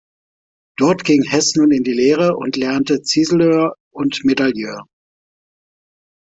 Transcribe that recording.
Dort ging Hess nun in die Lehre und lernte Ziseleur und Medailleur.